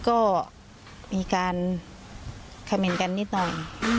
ก็มีการคาเมนต์กันนิดหน่อย